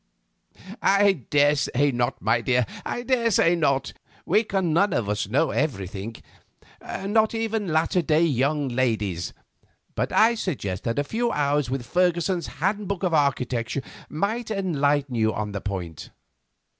"I daresay not, my dear; I daresay not. We can none of us know everything—not even latter day young ladies—but I suggest that a few hours with Fergussen's 'Handbook of Architecture' might enlighten you on the point."